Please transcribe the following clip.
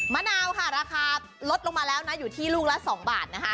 มะนาวค่ะราคาลดลงมาแล้วนะอยู่ที่ลูกละ๒บาทนะคะ